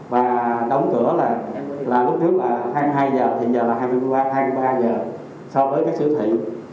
và đóng cửa là lúc trước là hai mươi hai giờ thì bây giờ là hai mươi ba giờ so với các siêu thị